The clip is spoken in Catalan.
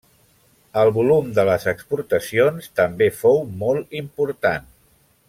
El volum de les exportacions també fou molt important.